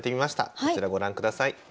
こちらご覧ください。